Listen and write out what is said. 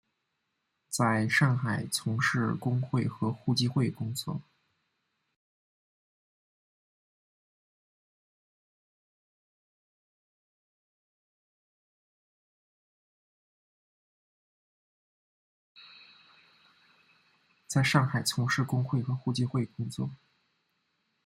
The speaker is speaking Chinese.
在上海从事工会和互济会工作。